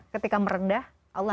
ketika merendah allah akan insya allah